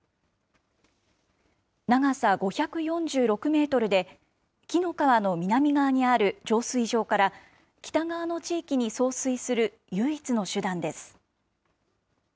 長さ５４６メートルで、紀の川の南側にある浄水場から北側の地域に送水する唯一の手段です。